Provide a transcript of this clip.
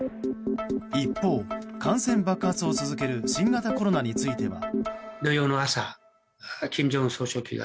一方、感染爆発を続ける新型コロナについては。